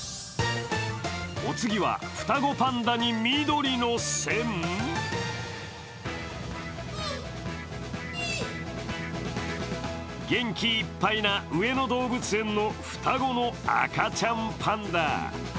お次は、双子パンダに緑の線？元気いっぱいな上野動物園の双子の赤ちゃんパンダ。